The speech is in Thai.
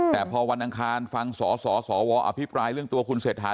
แต่พอวันอังคารฟังสสวอภิปรายเรื่องตัวคุณเศรษฐา